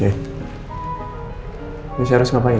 terus harus ngapain